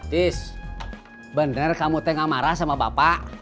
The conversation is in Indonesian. this bener kamu tengah marah sama bapak